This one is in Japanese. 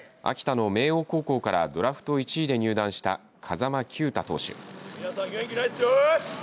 秋田の明桜高校からドラフト１位で入団した風間球打投手。